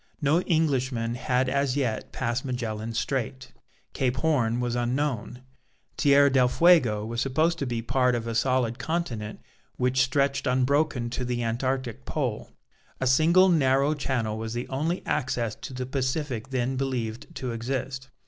No Englishman had as yet passed Magellan's Strait. Cape Horn was unknown. Tierra del Fuego was supposed to be part of a solid continent which stretched unbroken to the Antarctic pole. A single narrow channel was the only access to the Pacific then believed to exist.